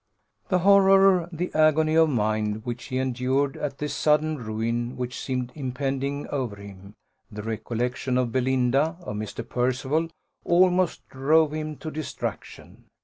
The horror, the agony of mind, which he endured at this sudden ruin which seemed impending over him the recollection of Belinda, of Mr. Percival, almost drove him to distraction.